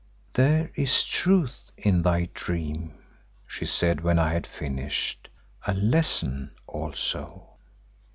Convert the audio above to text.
"There is truth in thy dream," she said when I had finished; "a lesson also."